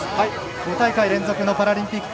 ５大会連続のパラリンピック